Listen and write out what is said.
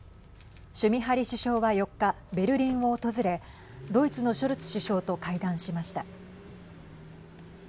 シュミハリ首相は４日ベルリンを訪れドイツのショルツ首相と会談しました。